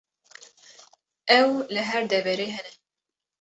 Ew li her deverê hene.